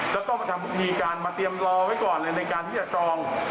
แล้วก็มีการมาเตรียมรอไว้ก่อนเลยในการที่จะจอง